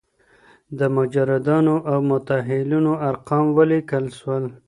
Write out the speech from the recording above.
د مجردانو او متاهلينو ارقام وليکل سول.